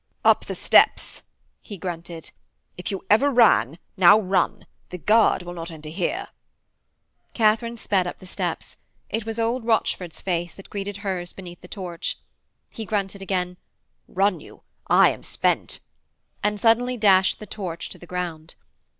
'Up the steps!' he grunted. 'If you ever ran, now run. The guard will not enter here.' Katharine sped up the steps. It was old Rochford's face that greeted hers beneath the torch. He grunted again, 'Run you; I am spent!' and suddenly dashed the torch to the ground.